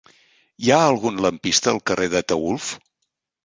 Hi ha algun lampista al carrer d'Ataülf?